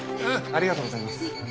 ありがとうございます。